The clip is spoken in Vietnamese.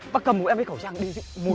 bác cầm một em cái khẩu trang đi